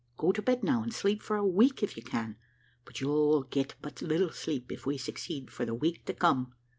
Go to bed now, and sleep for a week if you can, for you'll get but little sleep, if we succeed, for the week to come."